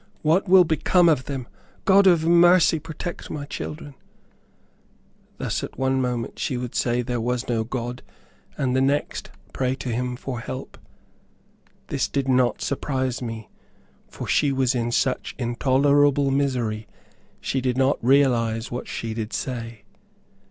What will become of them? God of mercy, protect my children!" Thus, at one moment, she would say there was no God, and the next, pray to him for help. This did not surprise me, for she was in such intolerable misery she did not realize what she did say.